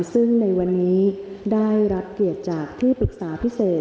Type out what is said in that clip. ซึ่งในวันนี้ได้รับเกียรติจากที่ปรึกษาพิเศษ